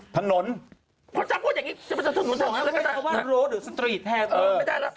ถนนเพราะฉะนั้นพูดอย่างงี้จะไปถึงรถหรือสตรีทแทน